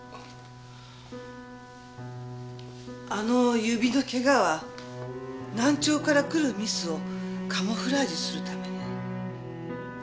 あの指のケガは難聴から来るミスをカモフラージュするためね。